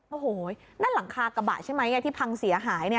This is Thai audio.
โอ้โหนั่นหลังคากระบะใช่ไหมที่พังเสียหาย